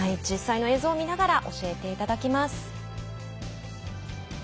実際の映像を見ながら教えていただきます。